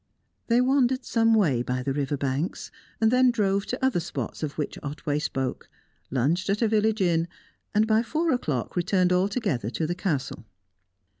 They wandered some way by the river banks; then drove to other spots of which Otway spoke, lunched at a village inn, and by four o'clock returned altogether to the Castle.